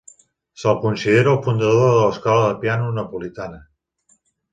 Se'l considera el fundador de l'escola de piano napolitana.